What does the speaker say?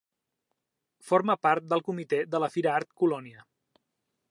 Forma part del comitè de la Fira Art Colònia.